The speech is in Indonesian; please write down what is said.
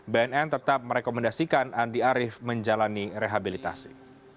bnn tetap merekomendasikan andi arief menjalani rehabilitasi